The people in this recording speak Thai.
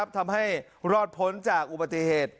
ทำให้รอดพ้นจากอุบัติเหตุ